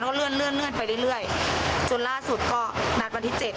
ก็เลื่อนเลื่อนเลื่อนไปเรื่อยเรื่อยจนล่าสุดก็นัดวันที่เจ็ด